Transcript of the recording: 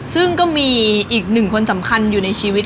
ซึ่งก็มีอีกหนึ่งคนสำคัญอยู่ในชีวิต